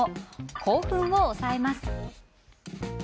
興奮を抑えます。